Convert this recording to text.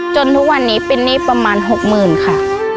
จนทุกวันนี้เป็นนี่ประมาณหกหมื่นค่ะ